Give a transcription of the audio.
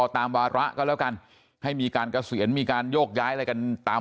ตามวาระก็แล้วกันให้มีการเกษียณมีการโยกย้ายอะไรกันตาม